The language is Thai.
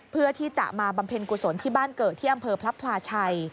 เพื่อที่จะมาบำเพ็ญกุศลที่บ้านเกิดที่อำเภอพระพลาชัย